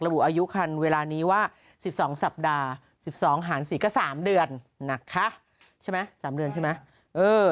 บุอายุคันเวลานี้ว่า๑๒สัปดาห์๑๒หารศรีก็๓เดือนนะคะใช่ไหม๓เดือนใช่ไหม